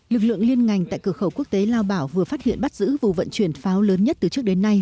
lực lượng liên ngành tại cửa khẩu quốc tế lao bảo vừa phát hiện bắt giữ vụ vận chuyển pháo lớn nhất từ trước đến nay